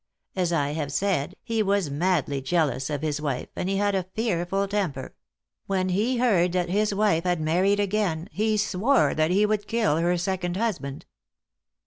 As I have said, he was madly jealous of his wife, and he had a fearful temper; when he heard that his wife had married again, he swore he would kill her second husband.